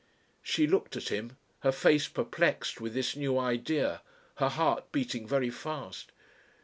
She looked at him, her face perplexed with this new idea, her heart beating very fast.